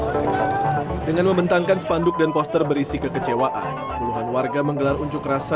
hai dengan membentangkan spanduk dan poster berisi kekecewaan puluhan warga menggelar unjuk rasa